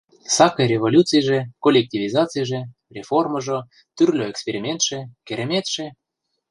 — Сакый революцийже, коллективизацийже, реформыжо, тӱрлӧ экспериментше, кереметше...